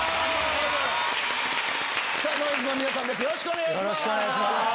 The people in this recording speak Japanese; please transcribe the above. よろしくお願いします！